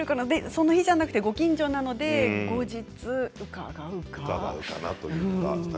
その日じゃなくご近所なので後日、伺うか。